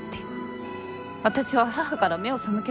私は母から目を背けました。